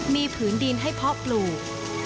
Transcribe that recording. มีผืนดินให้เพาะปลูก